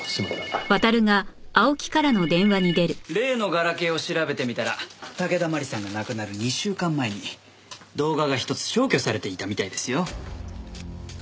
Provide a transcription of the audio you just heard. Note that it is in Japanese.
例のガラケーを調べてみたら武田麻里さんが亡くなる２週間前に動画が１つ消去されていたみたいですよ。